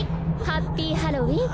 ハッピーハロウィン！